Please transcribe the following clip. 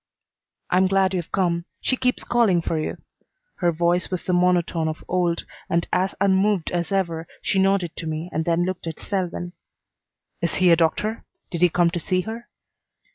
"I'm glad you've come. She keeps calling for you." Her voice was the monotone of old, and, as unmoved as ever, she nodded to me and then looked at Selwyn. "Is he a doctor? Did he come to see her?"